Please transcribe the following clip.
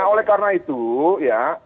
nah oleh karena itu ya